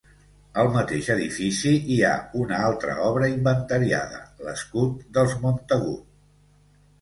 Al mateix edifici hi ha una altra obra inventariada, l'Escut dels Montagut.